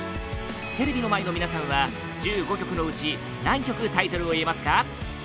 テレビの前の皆さんは１５曲のうち何曲タイトルを言えますか？